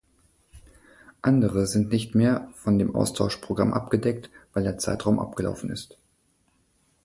Andere sind nicht mehr von dem Austauschprogramm abgedeckt, weil der Zeitraum abgelaufen ist.